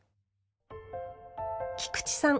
菊池さん